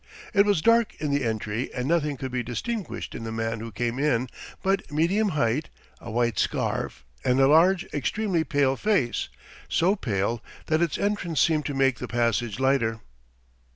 It was dark in the entry and nothing could be distinguished in the man who came in but medium height, a white scarf, and a large, extremely pale face, so pale that its entrance seemed to make the passage lighter.